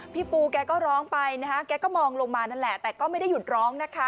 พี่ปูแกก็ร้องไปนะคะแกก็มองลงมานั่นแหละแต่ก็ไม่ได้หยุดร้องนะคะ